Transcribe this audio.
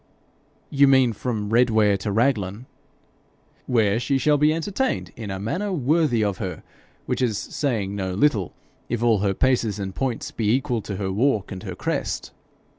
'You mean from Redware to Raglan.' 'Where she shall be entertained in a manner worthy of her, which is saying no little, if all her paces and points be equal to her walk and her crest.'